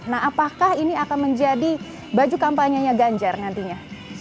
nah apakah ini akan menjadi baju kampanyenya ganjar nantinya